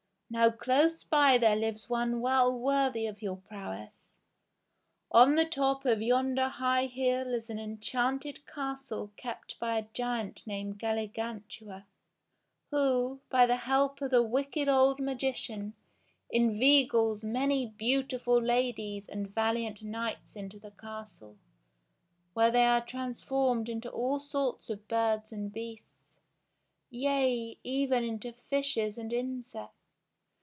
Now close by there lives one well worthy of your prowess. On the top of yonder high hill is an enchanted castle kept by a giant named Galligantua, who, by the help 787155 A loo ENGLISH FAIRY TALES of a wicked old magician, inveigles many beautiful ladies and valiant knights into the castle, where they are trans formed into all sorts of birds and beasts, yea, even into fishes and insects.